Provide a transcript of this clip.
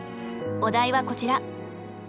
お題はこちら。